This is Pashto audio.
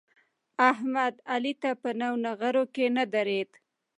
احمد؛ علي ته په نو نخرو کې نه درېد.